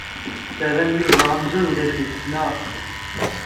Terram Yuba amzun ulac-it, naɣ?